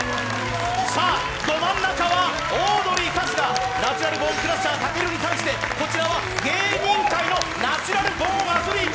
さあ、ど真ん中はオードリー・春日、ナチュラルボーンクラッシャー、武尊に対してこちらは芸人界のナチュラルボーンアスリート。